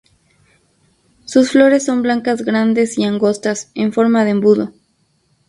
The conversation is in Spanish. Sus flores son blancas grandes y angostas, en forma de embudo.